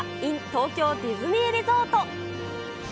ｉｎ東京ディズニーリゾート。